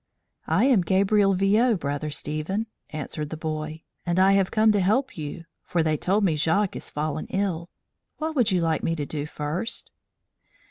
"I am Gabriel Viaud, Brother Stephen," answered the boy, "and I have come to help you; for they told me Jacques is fallen ill. What would you like me to do first?"